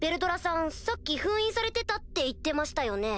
さっき封印されてたって言ってましたよね？